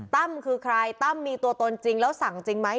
ตั้มคือใครตั้มมีตัวตนจริงแล้วสั่งจริงไหม